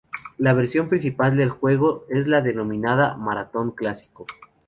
La versión principal del juego es la denominada "Maratón Clásico".